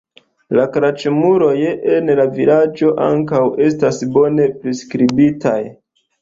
La klaĉemuloj en la vilaĝo ankaŭ estas bone priskribitaj.